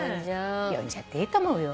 呼んじゃっていいと思うよ。